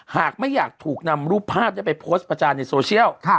หากไม่อยากถูกนำรูปภาพไปโพสต์ประจานในโซเชียล